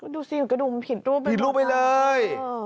ดูสิกระดูกมันผิดรูปไปเลย